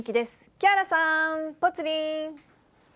木原さん、ぽつリン。